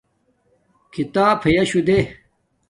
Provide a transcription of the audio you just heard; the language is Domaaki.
کھیتاپ ہیشو دے